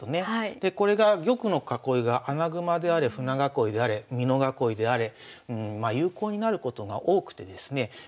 でこれが玉の囲いが穴熊であれ舟囲いであれ美濃囲いであれまあ有効になることが多くてですね